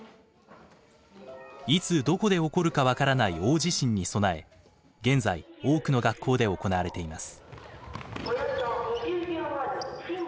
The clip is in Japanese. いつどこで起こるか分からない大地震に備え現在多くの学校で行われています。